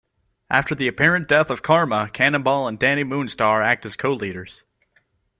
After the apparent death of Karma, Cannonball and Dani Moonstar act as co-leaders.